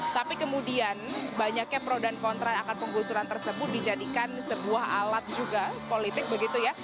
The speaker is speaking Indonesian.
tapi kemudian banyaknya pro dan kontra akan penggusuran tersebut dijadikan sebuah alat juga politik begitu ya